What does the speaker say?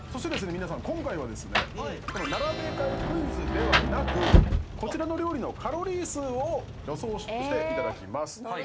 皆さん今回はですね並べ替えクイズではなくこちらの料理のカロリー数を予想していただきます。